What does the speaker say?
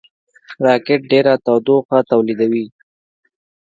راکټ ډېره تودوخه تولیدوي